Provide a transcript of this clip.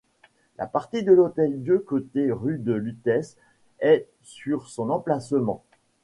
La partie de l'Hôtel-Dieu côté rue de Lutèce est sur son emplacement.